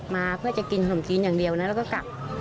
มาเพื่อจะกินขนมจีนอย่างเดียวนะแล้วก็กลับ